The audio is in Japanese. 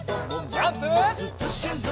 ジャンプ！